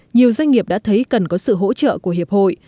nhiều doanh nghiệp đã thấy cần có sự hỗ trợ của hiệp hội